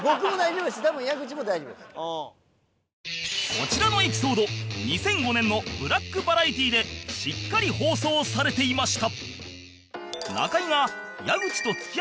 こちらのエピソード２００５年の『ブラックバラエティ』でしっかり放送されていました